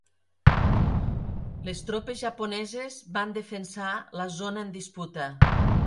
Les tropes japoneses van defensar la zona en disputa.